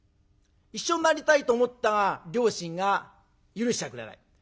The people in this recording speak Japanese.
一緒になりたいと思ったが両親が許しちゃくれない。